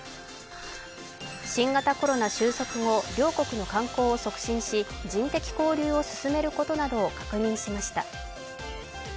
新型コロナ収束後、両国の観光を促進し人的交流を進めることなどを確認しました。